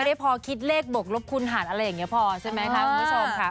ได้พอคิดเลขบกลบคุณหันอะไรอย่างนี้พอใช่ไหมคะคุณผู้ชมค่ะ